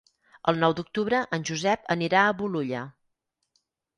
El nou d'octubre en Josep anirà a Bolulla.